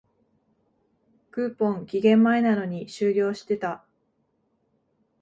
クーポン、期限前なのに終了してた